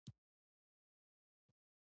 زړه راښکونکی شی دی.